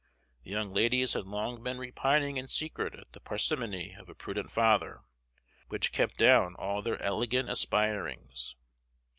The young ladies had long been repining in secret at the parsimony of a prudent father, which kept down all their elegant aspirings.